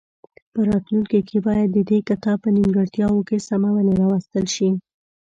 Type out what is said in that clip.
په راتلونکي کې باید د دې کتاب په نیمګړتیاوو کې سمونې راوستل شي.